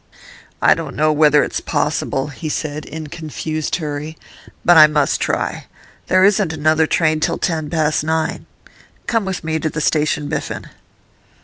'I don't know whether it's possible,' he said, in confused hurry, 'but I must try. There isn't another train till ten past nine. Come with me to the station, Biffen.